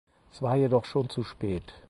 Es war jedoch schon zu spät.